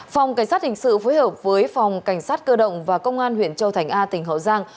phòng cảnh sát hình sự phối hợp với phòng cảnh sát cơ động và công an huyện châu thành a tỉnh hậu giang